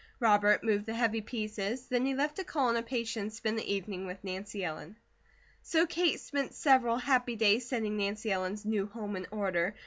Robert moved the heavy pieces, then he left to call on a patient and spend the evening with Nancy Ellen. So Kate spent several happy days setting Nancy Ellen's new home in order.